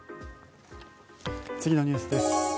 次のニュースです。